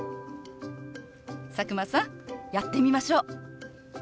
佐久間さんやってみましょう。